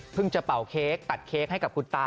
จะเป่าเค้กตัดเค้กให้กับคุณตา